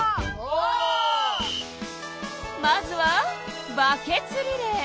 まずはバケツリレー。